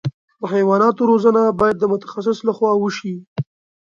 د حیواناتو روزنه باید د متخصص له خوا وشي.